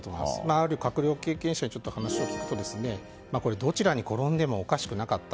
ある閣僚経験者に話を聞くと、どちらに転んでもおかしくなかった。